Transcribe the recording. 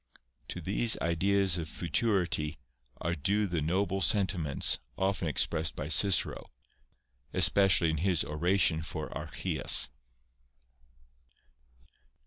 To these ideas of futurity are due the noble senti ments often expressed by Cicero, especially in his oration for Archias.